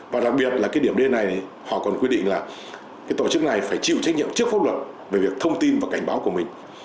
và đặc biệt là cái điểm d này họ còn quy định là cái tổ chức này phải chịu trách nhiệm trước pháp luật về việc thông tin và cảnh báo của mình